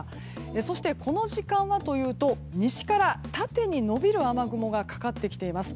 そして、この時間はというと西から縦に延びる雨雲がかかってきています。